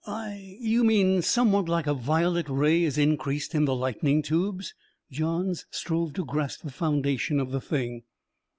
"I you mean somewhat like a violet ray is increased in the lightning tubes?" Johns strove to grasp the foundation of the thing.